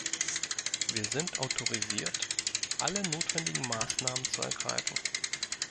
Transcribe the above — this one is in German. Wir sind autorisiert, "alle notwendigen Maßnahmen zu ergreifen".